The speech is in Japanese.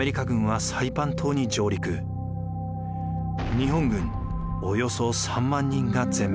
日本軍およそ３万人が全滅。